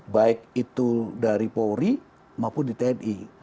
baik itu dari polri maupun di tni